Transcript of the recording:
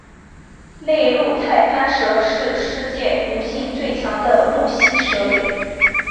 内陆太攀蛇是世界毒性最强的陆栖蛇类。